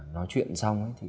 nói chuyện xong ấy